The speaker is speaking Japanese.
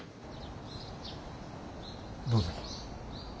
どうぞ。